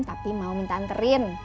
tapi mau minta anterin